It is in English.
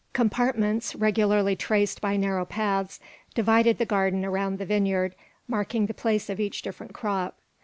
Compartments, regularly traced by narrow paths, divided the garden around the vineyard, marking the place of each different crop.